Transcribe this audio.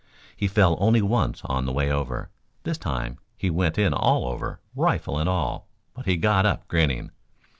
He fell only once on the way over. This time he went in all over, rifle and all, but he got up grinning.